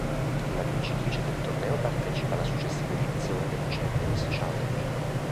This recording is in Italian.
La vincitrice del torneo partecipa alla successiva edizione del Champions Challenge.